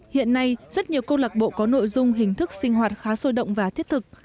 hiện nay rất nhiều câu lạc bộ có nội dung hình thức sinh hoạt khá sôi động và thiết thực